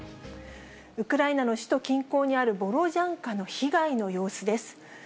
ウクライナの首都近郊にあるボロジャンカの被害の様子です。